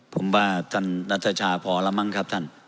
ผมว่าท่านนัทชาพอแล้วมั้งครับท่าน